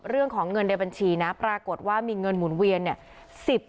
เรื่องของเงินในบัญชีนะปรากฏว่ามีเงินหมุนเวียนเนี่ย